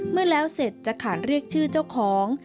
เมื่อแล้วเสร็จจะขานเรียกชื่อเจ้าของ